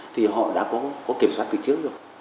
thì họ đã có kiểm soát từ trước rồi